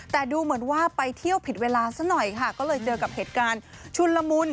แต่ดูเหมือนว่าไปเที่ยวผิดเวลาซะหน่อยค่ะก็เลยเจอกับเหตุการณ์ชุนละมุน